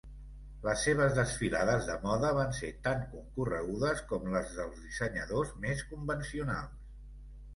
Les seves desfilades de moda van ser tan concorregudes com les dels dissenyadors més convencionals.